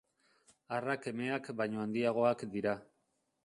Arrak emeak baino handiagoak dira.